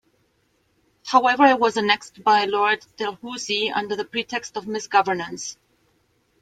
However it was annexed by Lord Dalhousie under the pretext of mis-governance.